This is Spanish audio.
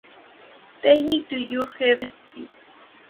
Take Me To Your Heaven ft.